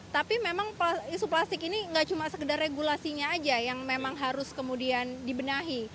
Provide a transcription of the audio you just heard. tapi memang isu plastik ini nggak cuma sekedar regulasinya aja yang memang harus kemudian dibenahi